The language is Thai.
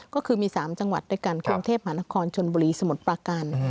ก็คือมี๓จังหวัดด้วยกันกรุงเทพหานครชนบุรีสมุทรประการ